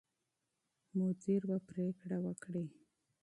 مدیر به پرېکړه وکړي.